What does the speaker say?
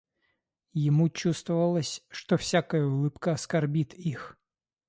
Ему чувствовалось, что всякая улыбка оскорбит их.